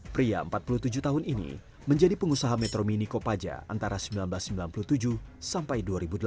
pria empat puluh tujuh tahun ini menjadi pengusaha metro mini kopaja antara seribu sembilan ratus sembilan puluh tujuh sampai dua ribu delapan